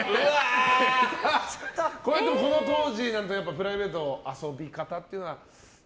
でも、この当時はプライベートの遊び方っていうのは？